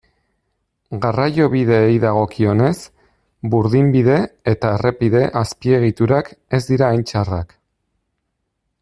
Garraiobideei dagokienez, burdinbide- eta errepide-azpiegiturak ez dira hain txarrak.